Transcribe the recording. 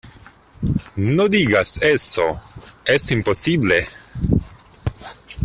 no digas eso... ¡ es imposible!